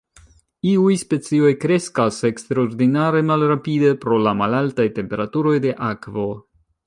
Iuj specioj kreskas eksterordinare malrapide pro la malaltaj temperaturoj de akvo.